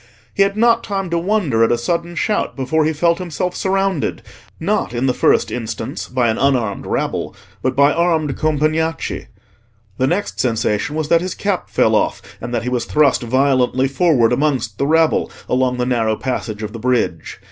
He had not time to wonder at a sudden shout before he felt himself surrounded, not, in the first instance, by an unarmed rabble, but by armed Compagnacci; the next sensation was that his cap fell off, and that he was thrust violently forward amongst the rabble, along the narrow passage of the bridge.